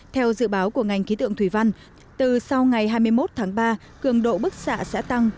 theo dự báo của ngành khí tượng thủy văn từ sau ngày hai mươi một tháng ba cường độ bức xạ sẽ tăng